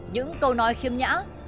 những câu nói khiêm nhã